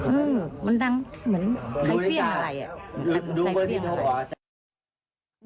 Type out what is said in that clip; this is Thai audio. มันดังเหมือนใครเฟี่ยงอะไร